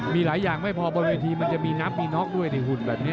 มีหลายอย่างไม่พอบนเวทีมันจะมีนับมีน็อกด้วยในหุ่นแบบนี้